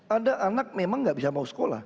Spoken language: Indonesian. ada anak memang nggak bisa mau sekolah